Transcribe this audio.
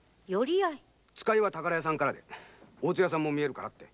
使いは宝屋さんからで大津屋さんも見えるって。